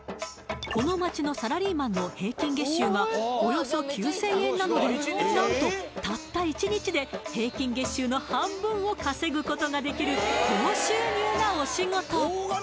この街のサラリーマンの平均月収がおよそ９０００円なので何とたった１日で平均月収の半分を稼ぐことができる高収入なお仕事！